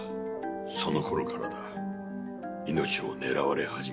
その頃からだ命を狙われ始めたのは。